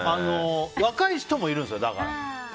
若い人もいるんですよ。